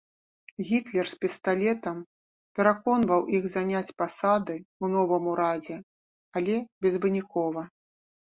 Гітлер з пісталетам пераконваў іх заняць пасады ў новым урадзе, але безвынікова.